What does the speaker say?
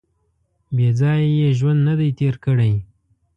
• بېځایه یې ژوند نهدی تېر کړی.